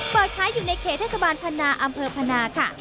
เปิดขายอยู่ในเขตเทศบาลพนาอำเภอพนาค่ะ